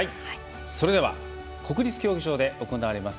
それでは国立競技場で行われます